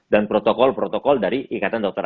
dan protokol protokol dari ikatan dokter